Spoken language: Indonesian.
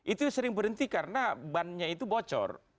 itu sering berhenti karena bannya itu bocor